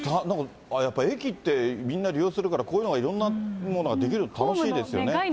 なんかやっぱり、駅ってみんな利用するから、こういうのが、いろんなものができると楽しいですね。